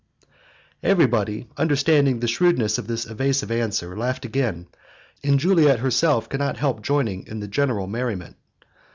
Everybody, understanding the shrewdness of this evasive answer, laughed again, and Juliette herself could not help joining in the general merriment.